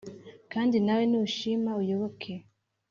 Kandi nawe nushima uyoboke